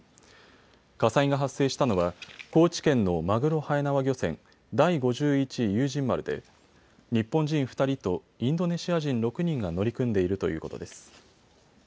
火災が発生したのは高知県のまぐろはえなわ漁船第五十一勇仁丸で日本人２人とインドネシア人６人が乗り組んでいるということです。